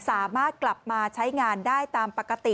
สามารถกลับมาใช้งานได้ตามปกติ